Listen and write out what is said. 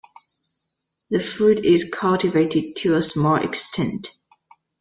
The fruit is cultivated to a small extent.